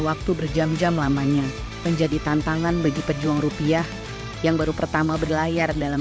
waktu berjam jam lamanya menjadi tantangan bagi pejuang rupiah yang baru pertama berlayar dalam